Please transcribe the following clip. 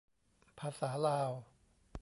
ภาษาลาว